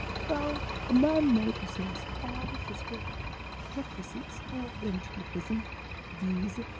" Though a man may possess all the physical requisites for Ven triloquism, viz.